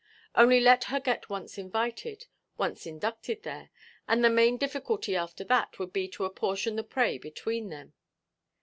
Only let her get once invited, once inducted there, and the main difficulty after that would be to apportion the prey between them.